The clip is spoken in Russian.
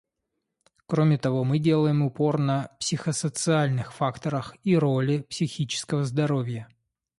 Кроме того, мы делаем упор на психосоциальных факторах и роли психического здоровья.